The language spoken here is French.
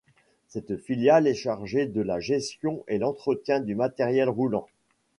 Cette filiale est chargée de la gestion et l'entretien du matériel roulant.